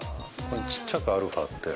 ちっちゃくアルファって。